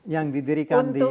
yang didirikan di london